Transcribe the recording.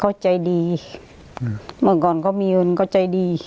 เขาใจดีเมื่อก่อนเขามีเงินเขาใจดี